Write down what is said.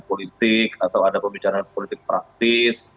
politik atau ada pembicaraan politik praktis